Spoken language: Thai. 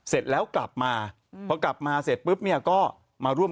เสร็จแล้วกลับมาพอกลับมาเสร็จปุ๊บเนี่ยก็มาร่วม